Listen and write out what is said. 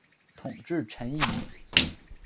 统制陈宧。